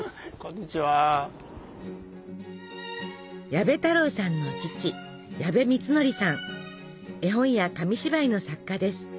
矢部太郎さんの父絵本や紙芝居の作家です。